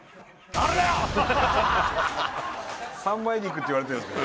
３枚肉って言われてるんすか？